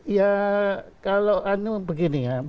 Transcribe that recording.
ya kalau begini ya